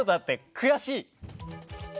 悔しい！